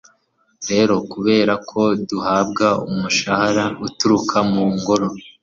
rero kubera ko duhabwa umushahara uturuka mu ngoro